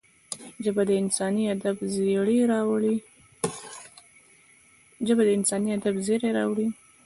ژبه د انساني ادب زېری راوړي